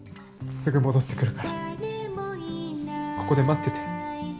すぐ戻ってくるからここで待ってて。